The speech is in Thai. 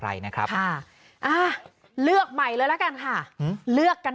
อะไรนะครับค่ะอ่าเลือกใหม่เลยละกันค่ะเลือกกัน